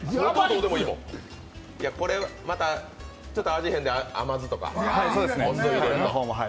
これ、また味変で甘酢とかお酢を入れて。